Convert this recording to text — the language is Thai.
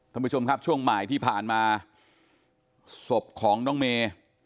ท่านผู้ชมครับช่วงบ่ายที่ผ่านมาศพของน้องเมย์